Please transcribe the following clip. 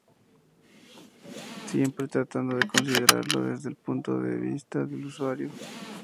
Siempre tratando de considerarlo desde el punto de vista del usuario.